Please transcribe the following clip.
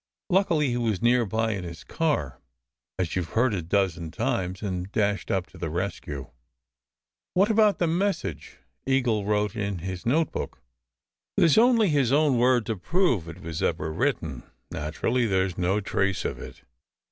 Luckily he was near by in his car, as you ve heard a dozen times, and dashed up to the rescue." "What about the message Eagle wrote in his note book?" "There s only his own word to prove it was ever written. Naturally there s no trace of it."